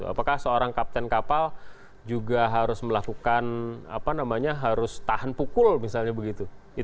apakah seorang kapten kapal juga harus melakukan apa namanya harus tahan pukul misalnya begitu